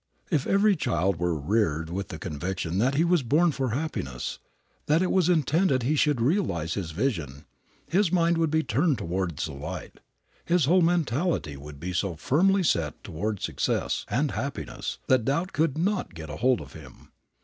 If every child were reared with the conviction that he was born for happiness, that it was intended he should realize his vision, his mind would be turned towards the light, his whole mentality would be so firmly set toward success and happiness that doubt could not get hold of him.